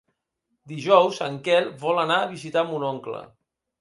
Dijous en Quel vol anar a visitar mon oncle.